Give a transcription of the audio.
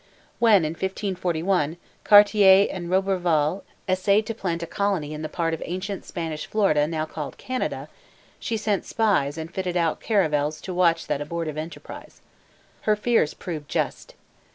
When, in 1541, Cartier and Roberval essayed to plant a colony in the part of ancient Spanish Florida now called Canada, she sent spies and fitted out caravels to watch that abortive enterprise. Her fears proved just.